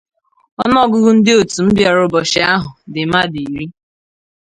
Ọnụọgụgụ ndị òtù m bịara ụbọchị ahụ dị mmadụ iri